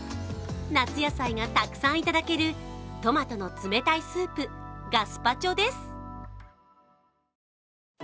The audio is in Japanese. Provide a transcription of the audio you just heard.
夏野菜がたくさんいただけるトマトの冷たいスープ、ガスパチョです。